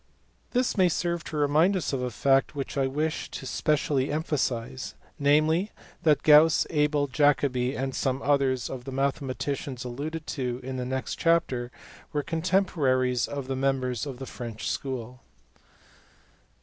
This may serve to remind us of a fact which I wish to specially emphasize, namely, that Gauss, Abel, Jacobi, and some others of the mathematicians alluded to in the next chapter were contemporaries of the members of the French school.